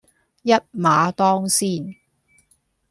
一馬當先